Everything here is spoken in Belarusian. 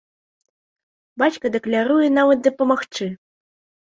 Бацька дакляруе нават дапамагчы!